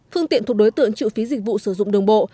phương tiện thuộc đối tượng chịu phí dịch vụ sử dụng đường bộ